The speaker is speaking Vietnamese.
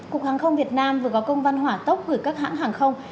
cục hàng không việt nam vừa có công văn hỏa tốc gửi các hãng hàng không